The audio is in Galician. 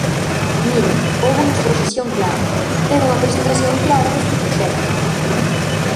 Mire, houbo unha exposición clara, e unha presentación clara deste proxecto.